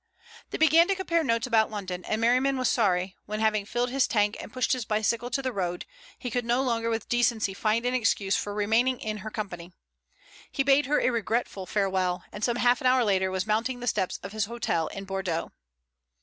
They began to compare notes about London, and Merriman was sorry when, having filled his tank and pushed his bicycle to the road, he could no longer with decency find an excuse for remaining in her company. He bade her a regretful farewell, and some half hour later was mounting the steps of his hotel in Bordeaux.